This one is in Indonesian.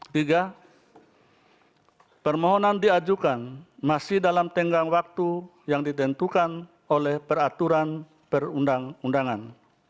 tiga permohonan diajukan masih dalam tenggang waktu yang ditentukan oleh peraturan perundang undangan